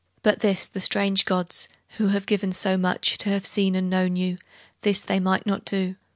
But this the strange gods, who had given so much, To have seen and known you, this they might not do.